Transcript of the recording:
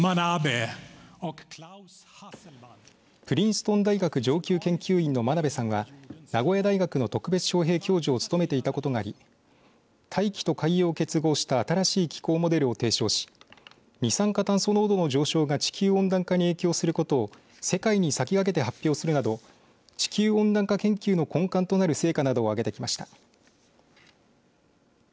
プリンストン大学上級研究員の真鍋さんは名古屋大学の特別招へい教授を務めていたことがあり大気と海洋を結合した新しい気候モデルを提唱し二酸化炭素濃度の上昇が地球温暖化に影響することを世界に先駆けて発表するなど地球温暖化研究の根幹となる成果などを挙げてきました。